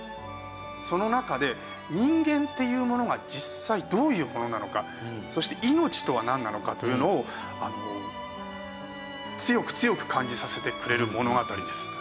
その中で人間っていうものが実際どういうものなのかそして命とはなんなのかというのを強く強く感じさせてくれる物語です。